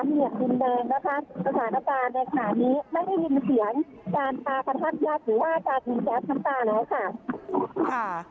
ก็ยังคงตัดหลักอยู่ที่นี่ค่ะ